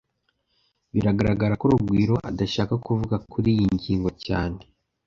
Biragaragara ko Rugwiro adashaka kuvuga kuriyi ngingo cyane